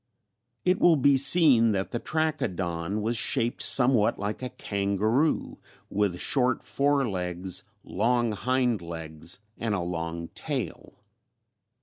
It will be seen that the Trachodon was shaped somewhat like a kangaroo, with short fore legs, long hind legs, and a long tail.